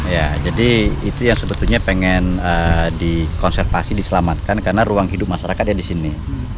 ya jadi itu yang sebetulnya pengen dikonservasi diselamatkan karena ruang hidup masyarakat ya di sini